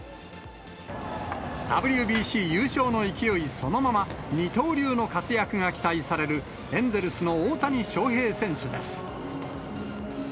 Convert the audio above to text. ＷＢＣ優勝の勢いそのまま、二刀流の活躍が期待されるエンゼルスの大谷翔平選手です。